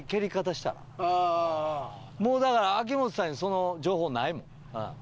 もうだから秋元さんにその情報ないもん。